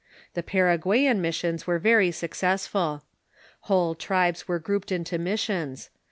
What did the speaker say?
The Paraguayan missions were very successful. Whole tribes were grouped into missions.